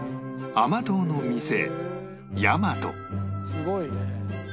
すごいね。